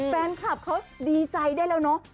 แฟนคลับเขาดีใจได้แล้วเนอะ